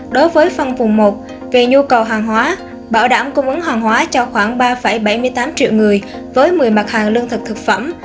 đối với phân vùng một về nhu cầu hàng hóa bảo đảm cung ứng hàng hóa cho khoảng ba bảy mươi tám triệu người với một mươi mặt hàng lương thực thực phẩm